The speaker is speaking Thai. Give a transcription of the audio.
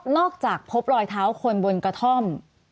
จากพบรอยเท้าคนบนกระท่อม